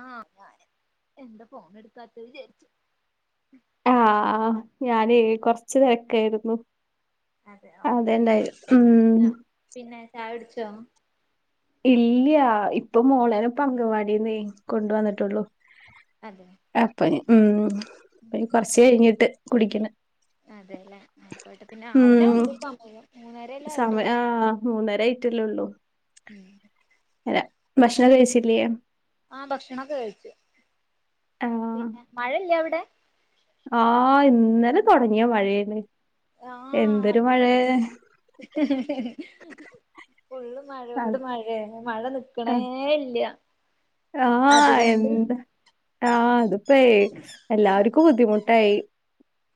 ആഹ ഞാന് എന്താ ഫോൺ എടുക്കാത്തത് വിചാരിച്ചു ആഹ് ഞാന് കൊറച്ചു തിരക്കായിരുന്നു അതെ ഓക്കെ അതെണ്ടായി ഉം ആഹ് പിന്നെ ചായുട്ച്ചോ ഇല്ല ഇപ്പൊ മോളന പങ്കവാടിന്ന് കൊണ്ട് വന്നിട്ടുള്ളൂ അതെ അപ്പ ഉ അ കുറച്ച് കഴിഞ്ഞിട്ട് കുടിക്കണ് അതെലെ ആയിക്കോട്ടെ പിന്നെ അവ്ടെ ഉം ഉണ്ട്പ്പമയം സമയം ആഹ് മൂന്നര ആയിട്ടല്ലേള്ളു ഉം അല്ല ഭക്ഷണം കഴിച്ചില്ലേ ആ ഭക്ഷണൊക്കെ കഴിച്ച് ആഹ് പിന്നെ മഴല്ല അവിടെ ആഹ് ഇന്നലെ തുടങ്ങിയാ മഴേന്ന് ആഹ് എന്തൊരു അതന്നെ മഴയാ ഫുള്ള് മഴയോട് മഴയാണ് മഴ നിക്കണേ ഇല്ല്യ ആഹ എന്താ ആഹ തിപ്പോ എല്ലാർക്കും ബുദ്ധിമുട്ടായി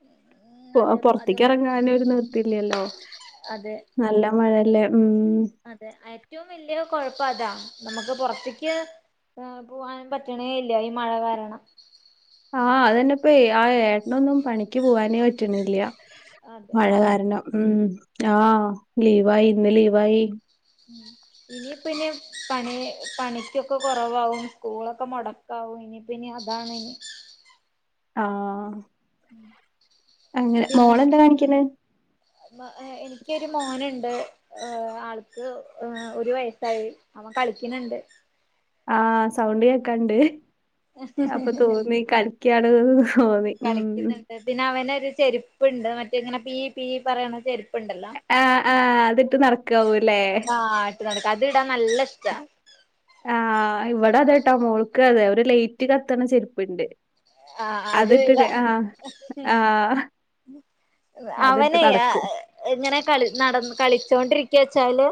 ഉം അതെ അത് പൊറത്തിക്ക് ഇറങ്ങാന് ഒരു നിർത്തിയില്ലല്ലോ അതെ നല്ല മഴല്ലേ ഉം അതെ ഏറ്റവും വലിയ കൊഴപ്പം അതാ നമുക്ക് പൊറത്തിക്ക് ആ പോവാൻ പറ്റണേ ഇല്ല ഈ മഴ കാരണം ആഹ് അതന്നെപ്പൊ ആ ഏട്ടനൊന്നും പണിക്ക് പോവാനേ പറ്റണില്ല മഴ കാരണം ഉം ആഹ് ലീവായി ഇന്ന് ലീവായി ഇനി ഇപ്പൊ ഇനി പണി പണിക്കൊക്കെ കുറവാകും സ്കൂളൊക്കെ മുട കാവു ഇനി പിന്നി അതാണ് ആ അങ്ങനെ മോളെന്താ കാണിക്കണ് മ എനിക്കൊരു മോനുണ്ട് ഏ ആൾക്ക് ഒരു വയസായി അവൻ കളിക്കണ്ണ്ട് ആഹ സൗണ്ട്‌ കേക്കാണ്ട് അപ്പൊ തോന്നി കളിക്കാണ് കളിക്കുന്നുണ്ട് പിന്നെ അവനൊരു ചെരുപ്പുണ്ട് മറ്റ ഇങ്ങനെ പീ പി പറയണ ചെരുപ്പുണ്ടല്ലോ ആഹ് ആഹ് അതിട്ട് നടക്കാവൊല്ലേ ഇട്ട് നടക്ക അത് ഇടാൻ നല്ല ഇഷ്ട ആ ഇവിടെ അതെട്ടാ മോൾക്ക് അതെ ഒരു ലേയ്റ്റ് കത്തണ ചെരുപ്പുണ്ട് ആഹ് അത് ഇടാ അതിട്ടിട്ട് ആഹ് ആഹ് അതിട്ട് അവനെ നടക്കും ആഹ് എങ്ങനെ കളി നട കളിച്ചോണ്ടിരിക്കവെച്ചാല്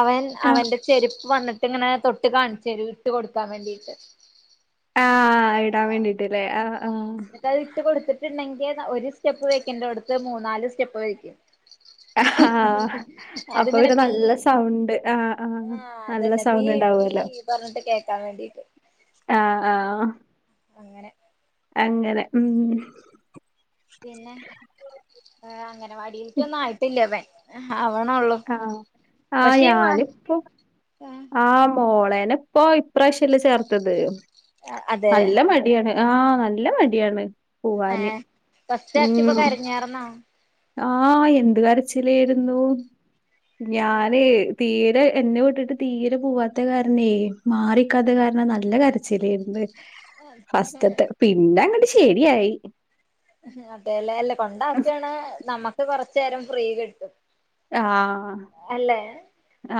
അവൻ ആഹ് അവന്റെ ചെരുപ്പ് വന്നിട്ട ഇങ്ങനെ തൊട്ട് കാണിച്ചെരു ഇട്ട് കൊടുക്കാൻ വേണ്ടിട്ട് ആഹ് ഇടാൻ വേണ്ടിട്ട് ആഹ എന്നിട്ട് അത് ഇട്ട് കൊടുത്തിട്ടുണ്ടെങ്കിൽ ഒരു സ്റ്റെപ്പ് വയ്ക്കണ്ടോടുത്ത് മൂന്നാല് സ്റ്റെപ്പ് വയ്ക്കും ആഹ് അപ്പൊ അത്ങ്ങനെ പിന്നെ പീ നല്ല സൗണ്ട് ആഹ് ആഹ് നല്ല അതന്നെ പീ സൗണ്ട് പീ ഉണ്ടാവുമല്ലോ പറഞ്ഞിട്ട് കേക്കാൻ വേണ്ടീട്ട് ആഹ ആഹ അങ്ങനെ അങ്ങനെ ഉം പിന്നെ ഹെ അങ്ങനവടിൽക്ക ഒന്നും ആയിട്ടില്ല വെ അവണള്ളൂ ആഹ ആയാൽ ഇപ്പൊ താ ആഹ മോളേന ഇപ്പൊ ഇപ്രാവശ്യല്ലേ ചേർത്തത് അതെ നല്ല മടിയാണ് ആഹ് നല്ല മടിയാണ് ഏ പോവാന് ഫസ്റ്റ് ആക്യപ്പോ കരഞ്ഞാർന്നോ ആഹ എന്ത് കരച്ചിലേയിരുന്നു ഞാന് തീരെ എന്നെ വിട്ടിട്ട് തീരെ പോവാത്ത കാരണേ മാറിക്കാത്ത കാരണം നല്ല കരച്ചിലായിരുന്ന് ഫസ്റ്റത്തെ പിന്നങ്ങട്ട് ശരിയായി അതെ ലെ അല്ല കൊണ്ടാക്കാണ് നമ്മക്ക് കൊറച്ചെരം ഫ്രീ കിട്ടും ആഹ അല്ലേ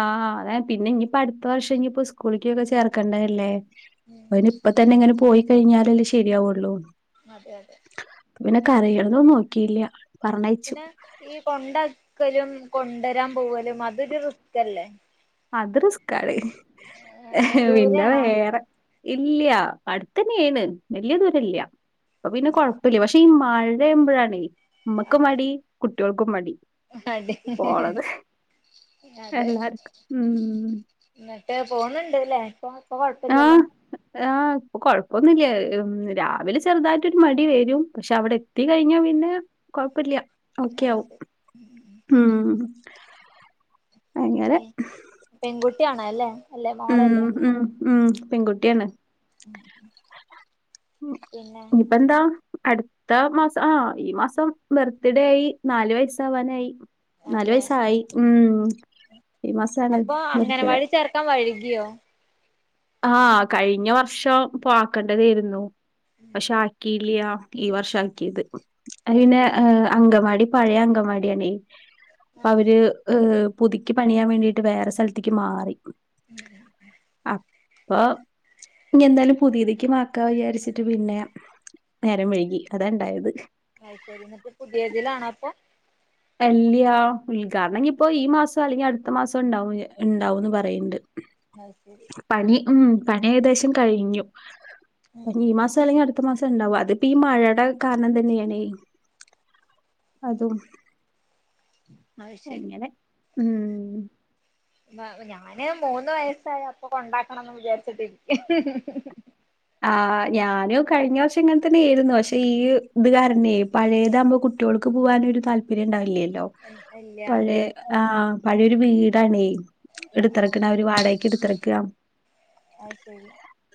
ആഹ് അത് പിന്നെ ഇഞ്ഞിപ്പോ അടുത്ത വർഷം ഇഞ്ഞിപ്പോ സ്കൂളിക്കൊക്കെ ചേർക്കേണ്ടല്ലേ അയിന് ഇപ്പ തന്നെ ഇങ്ങനെ പോയി കഴിഞ്ഞാലല്ലേ ശരിയാവുള്ളൂ അതെ അതെ പിന്നെ കരയണത് നോക്കിയില്ല പറഞ്ഞയച്ചു പിന്നെ ഈ കൊണ്ടാക്കലും കൊണ്ടരാൻ പോവലും അതൊരു റിസ്ക് അല്ലേ അത് റിസ്ക്കാണ് ഏ പിന്നെ ദൂരെയാണോ വേറെ ഇല്ല അടുത്തന്നെആണ് വല്യ ദൂരല്ല അപ്പ പിന്നെ അതെ കൊഴപ്പില്ല പക്ഷെ ഈ മഴയാമ്പോഴാണ് ഉമ്മക്ക് മടി കുട്ട്യോൾക്കും മടി ആടി പോണത് അതെ എല്ലാർക്കും ഉം ന്നിട്ട് പോന്നുണ്ട്ല്ലേ ഇപ്പൊ ഇപ്പൊ കൊഴപ്പല്ലല്ലോ? ആഹ് ആഹ് ഇപ്പൊ കൊഴപ്പൊന്നില്ല രാവിലെ ചെറുതായിട്ടൊരു മടി വരും പക്ഷെ അവിടെ എത്തി കഴിഞ്ഞാ പിന്നെ കൊഴപ്പില്ല ഓക്കെ അത് ആവും ശരി ഉം അങ്ങനെ പെൺകുട്ടിയാണ അല്ലേ അല്ലെ ഉം മോളെല്ലേ ഉം ഉ പെൺകുട്ടിയാണ് പിന്നെ എന്താ പഠിത് അട്ത്ത മാസം ആഹ ഈ മാസം ബർത്ത്ഡേ ആയി നാലു വയസ ആവാനായി നാല് അതെ വയസായി ഉം ഈ മാസാണ് ബർതിഡേ ക്ക വഴുകിയോ ആഹ കഴിഞ്ഞ വർഷം ആക്കണ്ടതായിരുന്നു പക്ഷെ ആക്കി ഇല്ലയാ ഇ വർഷക്കിയത് അ അത് പിന്നെ ശരി ഹ് അങ്കവാടി പഴയ അങ്കവാടിയണേ ആഹ് അവര് ഏഹ് പുതുക്കി പണിയാൻ വേണ്ടിട്ട് വേറെ സ്ഥലത്തേക്ക് മാറി അപ്പൊ ഇനി എന്തായാലും പുതിയതിക്ക് മാക്കാ വിചാരിച്ചിട്ട് പിന്നെ നേരം വൈകി അതാ ഇണ്ടായത് അത് ശരി എന്നിട്ട് പുതിയതിലാണോ അപ്പൊ അല്ല്യ ഉദ്ഘാടനം ഞ് ഇപ്പോ ഈ മാസം അല്ലെങ്കിൽ അടുത്ത മാസം ഉണ്ടാവും ഉണ്ടാവുന്ന് പറയ്‌ണ്ട് അത് ശരി പണി ഉം പണി ഏകദേശം കഴിഞ്ഞു ഉം പനി ഉം ഈ മാസം അല്ലെങ്കിൽ അടുത്ത മാസം ഇണ്ടാവ അതിപ്പോ ഈ മഴടെ കാരണം തന്നെയാണെ അതും അത് ശരി അങ്ങനെ ഉം അപ്പോ ഞാന് മൂന്ന് വയസ്സായ അപ്പൊ കൊണ്ടാക്കണംന്ന് വിചാരിച്ചിട്ടിരിക്ക ആ് ഞാനും കഴിഞ്ഞ വർഷം ഇങ്ങനെ തന്നെ ആയിരുന്നു പക്ഷെ ഈ ഇത് കാരണെ പഴയതാമ്പോ കുട്ട്യോൾക്ക് പോവാനൊരു താല്പര്യണ്ടാവില്ലല്ലോ? ഇല്ല പഴയ പിന്നെ ആ പഴയൊരു വീടാണേ ആഹ് എടുത്തിറക്കണ് അവര് വാടകയ്ക്ക് എടുത്തിറ്ക്കാ അയ് ശരി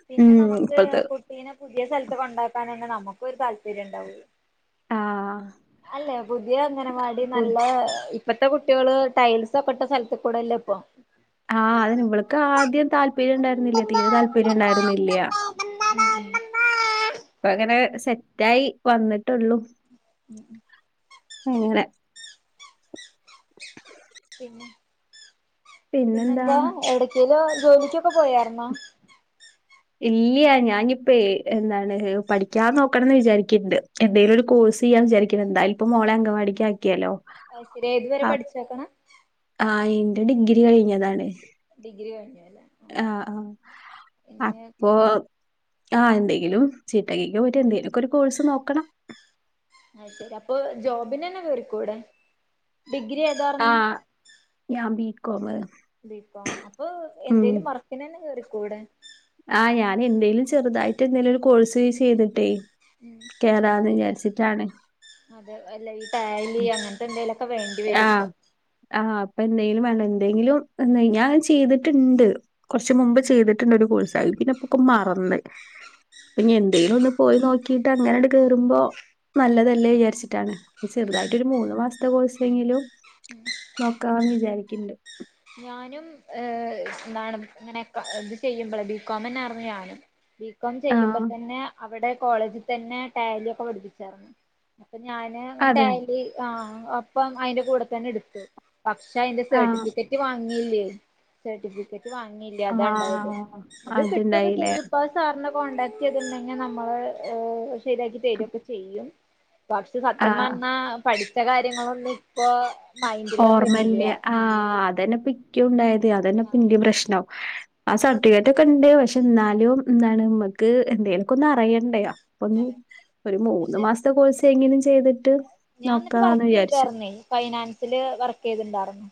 പിന്നെ നമുക്ക് ഇപ്പഴത്തെ നെ പുതിയ സ്ഥലത്ത് കൊണ്ടാക്കാൻ തന്നെ നമുക്കൊ ഒരു താല്പര്യം ഉണ്ടാവൂ ആഹ് അല്ലെ പുതിയ അങ്ങനെവാടി പു നല്ല ഇപ്പത്തെ കുട്ടികള് ടൈൽസ് ഒക്കെട്ട സ്ഥലത്ത് കൂടെല്ലേ ഇപ്പൊ ആഹ് അതന്നെ ഇവൾക്ക് ആദ്യം താല്പര്യം ഉണ്ടായിരുന്നില്ല തീരെ ഉം താല്പര്യം ഉണ്ടായിരുന്നില്ല്യ ഉം ഇപ്പ ങ്ങനെ സെറ്റായി വന്നിട്ടൊള്ളു [inaudible] അങ്ങനെ പിന്നെന്താ ഏടക്കേലും ജോലിക്കൊക്കെ പോയാരുന്നാ ഇല്ല്യ ഞാനിപ്പേ എന്താണ് പഠിക്കാ നോക്കണംന്ന് വിചാരിക്കണ്ട് എന്തേലും ഒരു കോഴ്സ് ചെയ്യാ വിചാരിക്കുന്നു എന്തായാലും ഇപ്പൊ മോളെ അങ്കവാടിക്ക് ആക്കിയല്ലോ അയ്ശരി ഏതുവരെ ആഹ് പഠിച്ചേക്കണ ആഹ് ഇന്റെ ഡിഗ്രി കഴിഞ്ഞതാണ് ഡിഗ്രി കഴിഞ്ഞു അല്ലേ ആഹ് ആഹ് പിന്നെ പോ ആഹ് എന്തെങ്കിലും ചിട്ടക്കക്ക് ഒരു എന്തേലും ഒക്കെ ഒരു കോഴ്സ് നോക്കണം. അത് ശരി അപ്പൊ ജോബിനന്നെ കേറിക്കൂടെ ഡിഗ്രി ഏതാർന്നു ആഹ് ഞാൻ ബീക്കോമ് ബീകോംഅപ്പൊ എന്തേലും വർക്കിനെന്നെ കേറിക്കൂടെ ആ ഞാന എന്തേലും ചെറുതായിട്ട് എന്തേലും ഒരു കോഴ്സ് ചെയ്തിട്ടേ ഉം കേറാന്ന് വിചാരിച്ചിട്ടാണ് അതെ അല്ല ഈ തായലി അങ്ങനത്തെ എന്തെങ്കലുംക്കെ വേണ്ടി വരും ആഹ് ഇപ്പൊ ആഹ് അപ്പൊ എന്തെങ്കിലും വേണ്ട എന്തെങ്കിലും എ ഞാൻ ചെയ്തിട്ടുണ്ട് കുറച്ച മുമ്പ് ചെയ്തിട്ടുണ്ട ഒരു കോഴസ് അഹ് പിന്നെപ്പൊക്കെ മറന്ന് അപ്പഞ്ഞി എന്തേലു ഒന്ന് പോയിനോക്കിട്ട് അങ്ങനെട് കേറുമ്പോ നല്ലതല്ലേ വിചാരിച്ചിട്ടാണ് പ്പ ഉം ചെറുതായിട്ട് ഉം ഒരു മൂന്നു മാസത്തെ കോഴ്സ് എന്തെങ്കിലും നോക്കാമെന്ന് വിചാരിക്കുണ്ട്. ഞാനും ഏഹ് എന്താണ് ഇങ്ങനൊക്കെ ഇത് ചെയ്യുമ്പോഴേ ബി കോം തന്നെയായിരുന്നു ഞാനും. ബികോം ചെയ്യുമ്പോ ആഹ് തന്നെ അവിടെ കോളേജിൽ തന്നെ റ്റാലിയൊക്കെ പഠിപ്പിച്ചാരുന്നു അപ്പൊ ഞാന് അതെ ടാലി ആഹ് ഒപ്പം അയിന്റെ കൂടെ തന്നെ എടുത്തു. പക്ഷെ അതയിന്റെ ആഹ് സെർട്ടിഫിക്കറ്റ് വാങ്ങിയില്ലേയ് സർട്ടിഫിക്കറ്റ് വാങ്ങില്ലേ, അതാണ്ടായത് ആഹ് അത് കിട്ടൊക്കെ അതുണ്ടായില്ലേ ചെയ്യും ഇപ്പൊ. സാറിനെ കോണ്ടാക്ട് ചെയ്തിട്ടുണ്ടെങ്കി നമ്മള് ശരിയാക്കി തരുവൊക്കെ ചെയ്യും പക്ഷെ സത്യം ആഹ് പറഞ്ഞാ പഠിച്ച കാര്യങ്ങളൊന്നും ഇപ്പൊ മൈൻഡിലൊന്നും ഇല്ല ഓർമ്മയില്ല്യ ആ ഇല്ല അതന്നെപ്പിക്കും ഉണ്ടായത് അതന്നെപ്പിന്റെയും പ്രശ്നം ആ സർട്ടിഫിക്കറ്റ് ഒക്കെണ്ട് പക്ഷെ ന്നാലും എന്താണ് മ്മക്ക് എന്തേലൊക്കെ ഒന്ന് അറിയണ്ടേയോ ഒന്നിൽ ഒരു മൂന്ന് പക്ഷെ മാസത്തെ കോഴ്സ് എങ്കിലും ചെയ്തിട്ട്. ഞാൻ എന്നിട്ട് നോക്കാന്ന് വർക്ക് വിചാരിച്ചു. ചെയ്തായിരുന്നേ ഫൈനാൻസില് വർക്ക് ചെയ്തിണ്ടായിരുന്നു.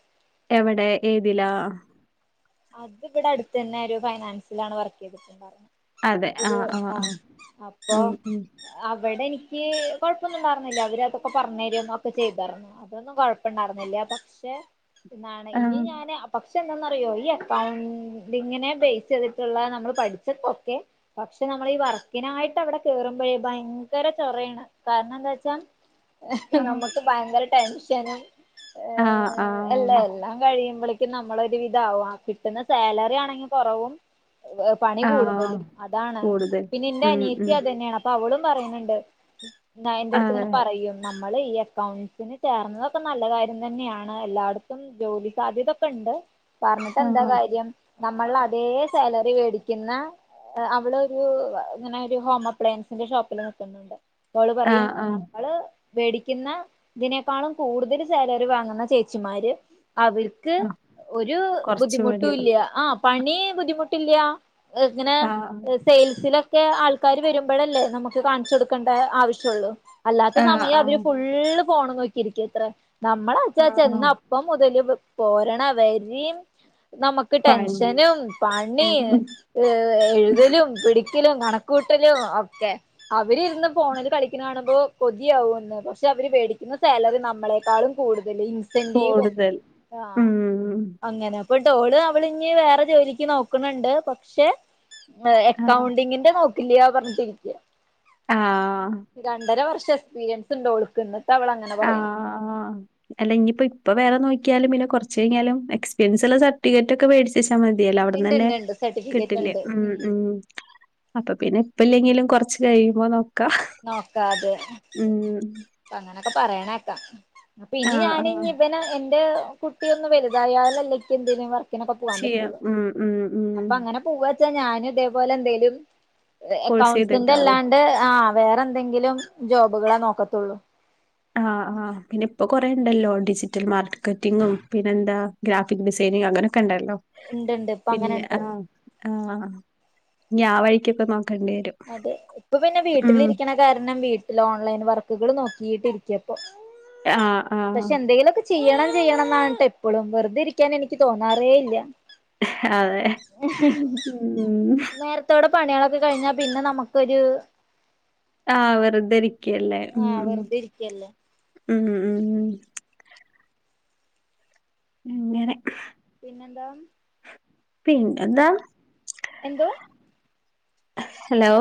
എവടെ ഏതിലാ അത് ബ്ടെ അടുത്തന്നെ ഒരു ഫൈനാൻസിലാണ് വർക്ക് ചെയ്തിട്ടുണ്ടാരുന്നത് അതെ ഒരു ആഹ് ആഹ് ആ ആഹ് അപ്പൊ ഉം ഉം അവടെനിക്ക് കൊഴപ്പൊന്നും ഉണ്ടാർന്നില്ല അവര് അതൊക്കെ പറഞ്ഞു തരിയേം ഒക്കെ ചെയ്താർന്നു അതൊന്നും കൊഴപ്പമുണ്ടായിരുന്നില്ല, പക്ഷെ എന്താണ് ഇനി ആഹ് ഞാന് പക്ഷെ എന്നാന്നറിയോ ഈ. കൗൺ ഡിങ്ങിനെ ബേസ് ചെയ്തിട്ടുള്ള നമ്മള് പഠിച്ചത് ഒക്കെ പക്ഷെ നമ്മൾ ഈ വർക്കിനായിട്ട് അവ്ടെ കേറുമ്പോയേക്കും ഭയങ്കര ചൊറേണ്. കാരണം എന്താ വെച്ചാ ആഹ് നമുക്ക് ഭയങ്കര ടെൻഷനും ആഹ് ഏഹ് ആഹ് എല്ലല്ല കഴിയുമ്പോഴേക്കും നമ്മളൊരു വിധാവും ആ കിട്ടുന്ന സാലറിയാണെങ്കി കുറവും പണി ആഹ് കൂടുതലും അതാണ് കൂടുതൽ പിന്നെ എന്റെ ഉം അനിയത്തി ഉം അത് തന്നെയാണ്, അപ്പൊ അവളും പറയുന്നുണ്ട്. ന്നയന്റെട്ത്ത് അതെ നിന്ന് പറയും നമ്മള് ഈ അക്കൗണ്ട്സിന് ചേർന്നതൊക്കെ നല്ല കാര്യം തന്നെയാണ് എല്ലായിടത്തും ജോലി സാധ്യതൊക്കെ ഉണ്ട് പറഞ്ഞിട്ട് എന്താ ആഹ് കാര്യം നമ്മളെ അതേ സാലറി മേടിക്കുന്ന. അവ്ളൊരു ഇങ്ങനെ ഒരു ഹോം അപ്ലയൻസിന്റെ ഷോപ്പിൽ നിക്ക്ന്ന്ണ്ട്. അപ്പോള് പറയും ആഹ് ആഹ് നമ്മള് വേടിക്കുന്ന ഇതിനേക്കാളും കൂടുതൽ സാലറി വാങ്ങുന്ന ചേച്ചിമാര് അവർ ക്ക് ആഹ് ഒരു കൊറച്ച് മടിയാ ബുദ്ധിമുട്ടുമില്ല, ആഹ് പണി ബുദ്ധിമുട്ടില്ല്യ. എങ്ങനെ ആഹ് [unintelligible] സെയിൽസിലൊക്കെ ആൾക്കാര് വരുമ്പോഴല്ലേ നമുക്ക് കാണിച്ചു കൊടുക്കേണ്ട ആവശ്യമുള്ളു അല്ലാത്ത ആഹ് സമയം അവര് ആഹ് ഫുള്ള് ഫോണ് നോക്കിയിരിക്കത്രേ നമ്മളാച്ച ആഹ് ചെന്ന ഇപ്പം മുതല് പോരണ വെരിം നമുക്ക് പണി ടെൻഷനും, പണിം ഉം ഏ എഴുതലും, പിടിക്കലും, കണക്കൂട്ടലും ഒക്കെ അവരിരുന്ന് ഫോണിൽ കളിക്കുന്ന കാണുമ്പോൾ കൊതിയാവുന്ന് പക്ഷെ അവര് മേടിക്കുന്ന സാലറി നമ്മളെക്കാളും കൂടുതല് ഇൻസെന്റീവും കൂടുതൽ ആഹ്. ഉം. അങ്ങനെ അപ്പൊ ഡോള് അവള് ഇനി വേറെ ജോലിക്ക് നോക്കുന്നുണ്ട് പക്ഷെ. ആഹ്. അക്കൗണ്ടിങ്ങിന്റെ നോക്കില്ല്യ പറഞ്ഞിട്ടിരിക്ക്യ ആഹ് രണ്ടര വർഷം എക്സ്പീരിയൻസ് ഒണ്ട് ഓൾക്ക് ഇന്ന് എന്നിട്ട് അവൾ അങ്ങനെ പറയണേ. അല്ലെങ്കിൽ ഇനിയിപ്പോ ഇപ്പം വേറെ നോക്കിയാലും പിന്നെ കൊറച്ചു കഴിഞ്ഞാലും എക്സ്പീരിയൻസ് ഉള്ള സർട്ടിഫിക്കറ്റ് ഒക്കെ മേടിച്ച്. വെച്ചാമതിയല്ലോ അവിടുന്ന് ഇണ്ട് തന്നെ ഇണ്ട് ഇണ്ട് സർട്ടിഫിക്കറ്റ് കിട്ടില്ലേ ഉണ്ട് ഉം ഉം. അപ്പൊ പിന്നെ ഇപ്പല്ലെങ്കിലും കൊറച്ച് കഴിയുമ്പോ നോക്ക് ക്കാ നോക്കാതെ ഉം അങ്ങനൊക്കെ പറയണ കേക്കാം. പ്പിനി ഇനി ആഹ് ഞാന് ആഹ് ഇവന് എന്റെ കുട്ടിയൊന്ന് വലുതായാലല്ലേ എനിക്ക് എന്തേലും വർക്കിനൊക്കെ പോകാൻ ചെയ്യാം പറ്റൂള്ളു, ഉം ഉം ഉം അപ്പൊ അങ്ങനെ. പൂവാച്ചാ ഞാനും ഇതേപോലെ എന്തേലും കോഴ്സ് എക്കൗണ്ട്സിന്റെ ചെയ്തിട്ടാവും അല്ലാണ്ട് ഒണ്ട് ആഹ് വേറെ എന്തെങ്കിലും ജോബുകളെ നോക്കത്തുള്ളൂ. ആഹ് ആഹ് പിന്നെ ഇപ്പൊ കൊറെേുണ്ടല്ലോ ഡിജിറ്റൽ മാർക്കറ്റിങ്ങും പിന്നെ എന്താ ഗ്രാഫിക് ഡിസൈനിംങ് അങ്ങനൊക്കെ ഉണ്ടല്ലോ ഇണ്ട് ഇണ്ട് ഇപ്പ അങ്ങനെ പിന്നെ ഇണ്ട് ആഹ് ആഹ് ഇനി ആഹ് വഴിക്ക് ഇപ്പ നോക്കേണ്ടി വരും അതെ ഇപ്പൊ പിന്നെ ഉം. വീട്ടിലിരിക്കണ കാരണം വീട്ടില് ഓൺലൈൻ വർക്കുകൾ നോക്കിയിട്ടി ഇരിക്ക ആഹ് ആഹ്. പക്ഷെ എന്തെങ്കിലും ഒക്കെ ചെയ്യണം ചെയ്യണം എന്നിട്ട് എപ്പഴും വെറുതെ ഇരിക്കാൻ എനിക്ക് തോന്നാറേ ഇല്ല അതെ. [unintelligible] ഉം. ത്തടെ പണികളൊക്കെ കഴിഞ്ഞാ പിന്നെ നമുക്കൊരു ആഹ് വെറുധരിക്കുകല്ലേ ഉം ആ വെറുതെ ഇരിക്കല്ലേ ഉം ഉം ഉം ഉം അങ്ങനെ പിന്നെന്താ? പിന്നെ എന്താ എന്തോ ഹലോ